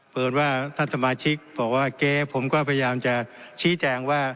เปิดว่าท่านสมาชิกบอกว่าเก๊ผมก็พยายามจะชี้แจงว่า